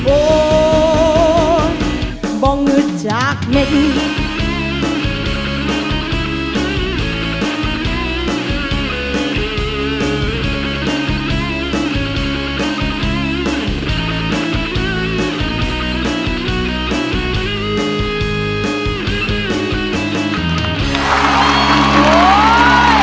โอมองหืดจากใน